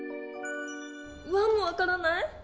ワンもわからない？